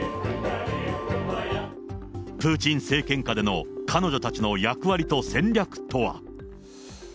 プーチン政権下での彼女たちの役割と戦略とは。